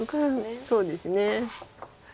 そうですね。